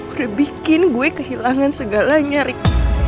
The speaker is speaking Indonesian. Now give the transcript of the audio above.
udah bikin gue kehilangan segalanya rik